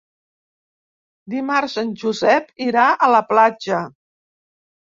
Dimarts en Josep irà a la platja.